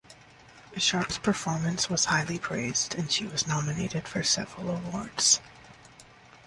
Sharp's performance was highly praised and she was nominated for several awards.